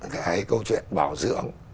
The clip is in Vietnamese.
cái câu chuyện bảo dưỡng